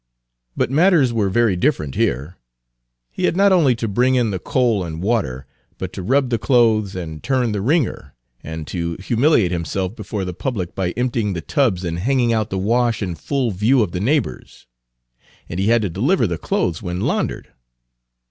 But matters were very different here. He had not only to bring in the coal and water, but to rub the clothes and turn the wringer, and to humiliate himself before the public by emptying the tubs and hanging out the wash in full view of the neighbors; and he had to deliver the clothes when laundered.